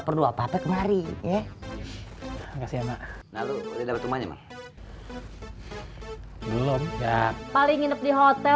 perlu apa apa kemarin ya enggak sih enak lalu tidak punya belum paling nginep di hotel